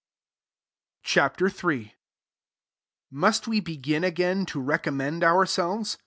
Ch. III. 1 Must we begin again to recommend ourselves?